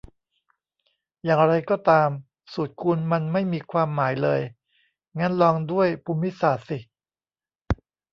อย่างไรก็ตาม สูตรคูณมันไม่มีความหมายเลย งั้นลองด้วยภูมิศาสตร์สิ